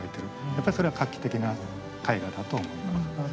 やっぱりそれは画期的な絵画だと思います。